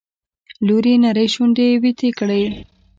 لور يې نرۍ شونډې ويتې کړې.